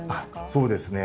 そうですね。